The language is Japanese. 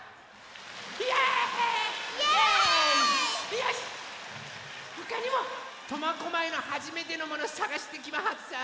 よしほかにも苫小牧のはじめてのものさがしてきます！